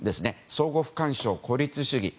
相互不干渉、孤立主義。